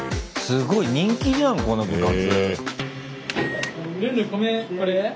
すごい人気じゃんこの部活。